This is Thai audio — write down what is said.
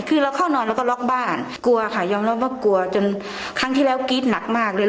คือเราเข้านอนแล้วก็ล็อกบ้านกลัวค่ะยอมรับว่ากลัวจนครั้งที่แล้วกรี๊ดหนักมากเลย